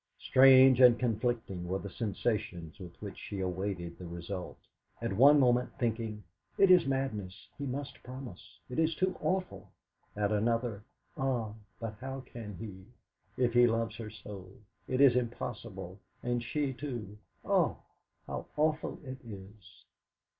Strange and conflicting were the sensations with which she awaited the result; at one moment thinking, 'It is madness; he must promise it is too awful!' at another, 'Ah! but how can he, if he loves her so? It is impossible; and she, too ah! how awful it is!'